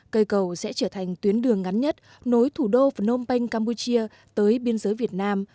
cây cầu sẽ trở thành tuyến đường ngắn nhất nối thủ đô phnom penh campuchia tới biên giới việt nam